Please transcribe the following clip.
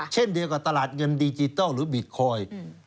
เช่นเดียวกับตลาดเงินดิจิทัลหรือบิตคอยน์